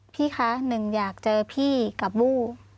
พี่คะหนึ่งอยากเจอพี่กับบู้